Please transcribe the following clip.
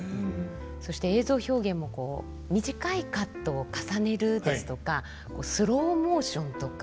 そして映像表現も短いカットを重ねるですとかスローモーションとか。